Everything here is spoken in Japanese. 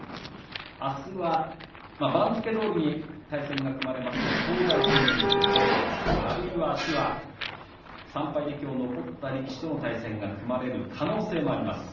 あすは番付どおりに対戦が組まれますと正代戦を今予想していますがあるいはあすは３敗できょう残った力士との対戦が組まれる可能性もあります。